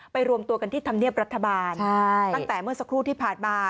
รวมตัวกันที่ธรรมเนียบรัฐบาลตั้งแต่เมื่อสักครู่ที่ผ่านมา